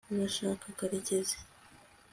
urashaka karekezi